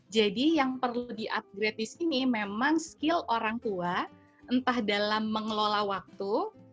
jadi yang perlu diupgrade di sini memang skill orang tua entah dalam mengelola waktu